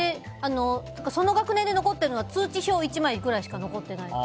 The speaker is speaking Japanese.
その学年で残ってるのは通知表１枚ぐらいしか残ってない。